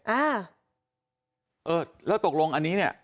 อ่าเออแล้วตกลงอันนี้เนี่ย